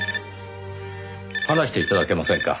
話して頂けませんか？